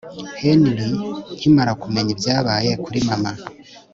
Henry nkimara kumenya ibyababaye kuri mama